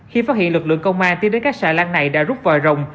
khi phát hiện lực lượng công an tiến đến các xà lan này đã rút vòi rồng